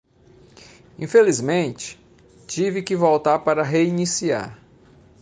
Infelizmente, tive que voltar para reiniciar.